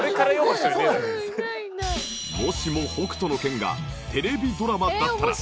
もしも『北斗の拳』がテレビドラマだったら。